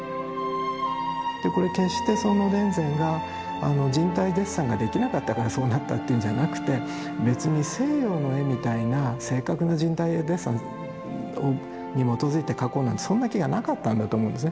これ決してその田善が人体デッサンができなかったからそうなったっていうんじゃなくて別に西洋の絵みたいな正確な人体デッサンに基づいて描こうなんてそんな気がなかったんだと思うんですね。